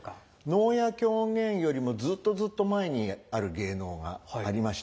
能や狂言よりもずっとずっと前にある芸能がありましてね。